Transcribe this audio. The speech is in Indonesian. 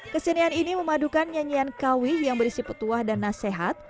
kesenian ini memadukan nyanyian kawih yang berisi petuah dan nasihat